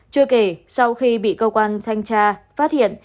chưa kể sau khi bị cơ quan thanh tra phát hiện